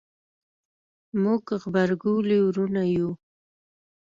موږ غبرګولي وروڼه یو